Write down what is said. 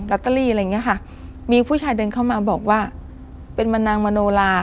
ตเตอรี่อะไรอย่างเงี้ยค่ะมีผู้ชายเดินเข้ามาบอกว่าเป็นมะนางมโนลา